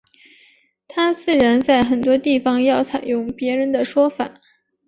他自然在很多地方要采用别人的说法。